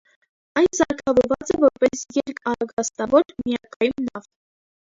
Այն սարքավորված է որպես երկառագաստավոր միակայմ նավ։